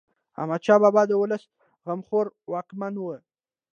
احمد شاه بابا د ولس غمخوار واکمن و.